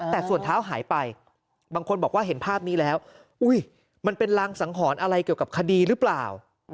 แต่ส่วนเท้าหายไปบางคนบอกว่าเห็นภาพนี้แล้วมันเป็นรางสังหรณ์อะไรเกี่ยวกับคดีหรือเปล่า